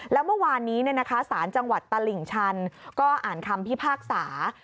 แล้วเมื่อวานนี้ศาลจังหวัดตลิ่งชันก็อ่านคำพิพากษา